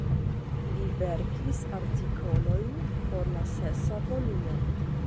Li verkis artikolojn por la sesa volumo.